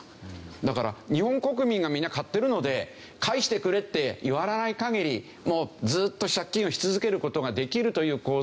だから日本国民がみんな買ってるので返してくれって言われない限りずっと借金をし続ける事ができるという構造になっていると。